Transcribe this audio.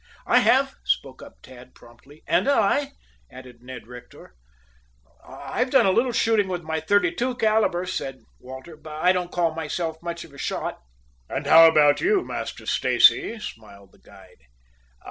"I have," spoke up Tad promptly. "And I," added Ned Rector. "I've done a little shooting with my thirty two calibre," said Walter. "But I don't call myself much of a shot." "And how about you, Master Stacy?" smiled the guide.